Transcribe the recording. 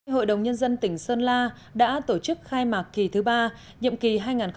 hội đồng nhân dân tỉnh sơn la đã tổ chức khai mạc kỳ thứ ba nhiệm kỳ hai nghìn một mươi sáu hai nghìn hai mươi một